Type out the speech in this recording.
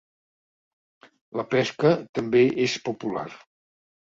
La pesca també és popular.